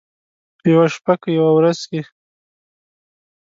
یوه شپه که یوه ورځ کې،